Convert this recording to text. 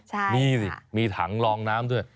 ใช่มีสิมีถังลองน้ำด้วย